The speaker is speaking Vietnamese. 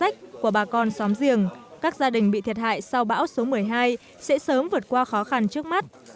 các con xóm giềng các gia đình bị thiệt hại sau bão số một mươi hai sẽ sớm vượt qua khó khăn trước mắt